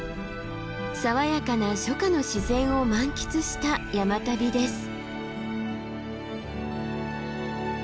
爽やかな初夏の自然を満喫した山旅です。